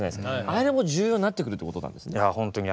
あれも重要になってくるってことなんですね。